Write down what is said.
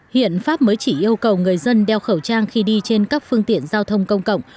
hiện pháp mới chỉ yêu cầu người dân đeo khẩu trang khi đi trên các phương tiện giao thông công cộng